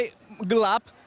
sekarang sudah gelap